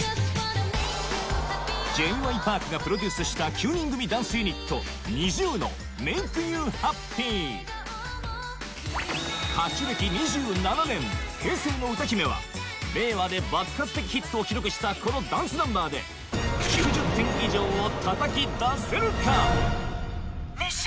Ｊ．Ｙ．Ｐａｒｋ がプロデュースした９人組ダンスユニットは令和で爆発的ヒットを記録したこのダンスナンバーで９０点以上をたたき出せるか⁉『熱唱！